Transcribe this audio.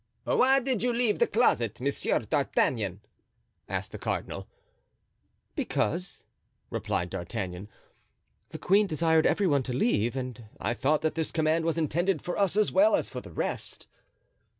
"Why did you leave the closet, Monsieur d'Artagnan?" asked the cardinal. "Because," replied D'Artagnan, "the queen desired every one to leave and I thought that this command was intended for us as well as for the rest."